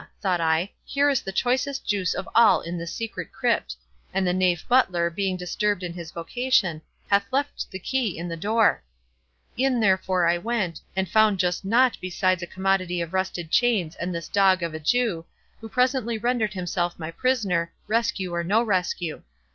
thought I, here is the choicest juice of all in this secret crypt; and the knave butler, being disturbed in his vocation, hath left the key in the door—In therefore I went, and found just nought besides a commodity of rusted chains and this dog of a Jew, who presently rendered himself my prisoner, rescue or no rescue.